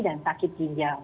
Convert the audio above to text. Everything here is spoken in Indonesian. dan sakit ginjal